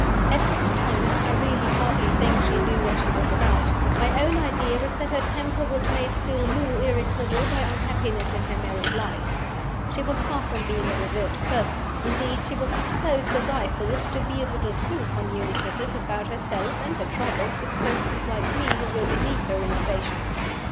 At such times I really hardly think she knew what she was about. My own idea is that her temper was made still more irritable by unhappiness in her married life. She was far from being a reserved person. Indeed, she was disposed (as I thought) to be a little too communicative about herself and her troubles with persons like me who were beneath her in station.